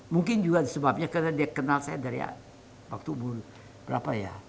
mungkin juga sebabnya karena dia kenal saya dari waktu berapa ya